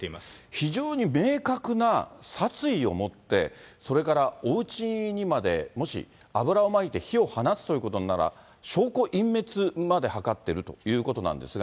非常に明確な殺意を持って、それからおうちにまで、もし油をまいて火を放つということなら、証拠隠滅まで図っているということなんですが。